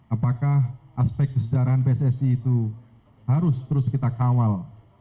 apakah aspek kesejarahan pssi itu harus terus kita kawal